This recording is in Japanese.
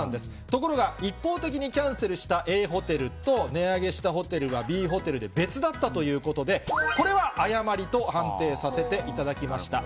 ところが、一方的にキャンセルしたＡホテルと、値上げしたホテルはＢホテルで別だったということで、これは誤りと判定させていただきました。